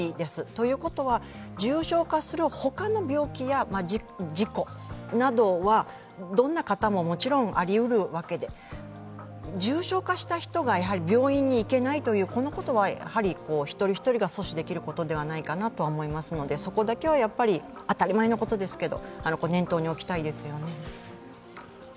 ということは、重症化するほかの病気や、事故などはどんな方ももちろんありうるわけで重症化した人が病院に行けないということは、やはり、一人一人が阻止できることではないかなと思いますのでそこだけは当たり前のことですけど、念頭に置きたいですよね。